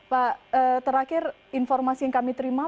pak terakhir informasi yang kami terima